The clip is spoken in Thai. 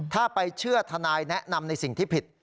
ถ้าไปเชื่อทนายแนะนำในสิ่งที่ผิด